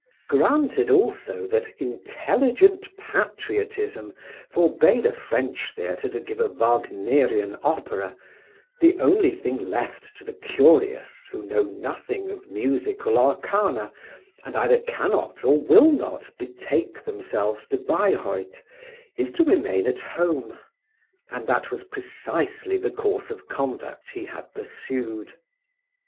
Granted also that intelligent patriotism forbade a French theatre to give a Wagnerian opera, the only thing left to the curious who know nothing of musical arcana and either cannot or will not betake themselves to Bayreuth, is to remain at home. And that was precisely the course of conduct he had pursued.